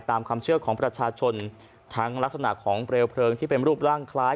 ตามความเชื่อของประชาชนทั้งลักษณะของเปลวเพลิงที่เป็นรูปร่างคล้าย